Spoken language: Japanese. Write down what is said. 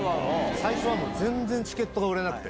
最初はもう全然チケットが売れなくて。